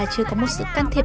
thôi kệ con nhẹ nhàng đi